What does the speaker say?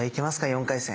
４回戦！